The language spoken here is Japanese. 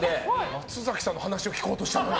松崎さんの話を聞こうとしたのに。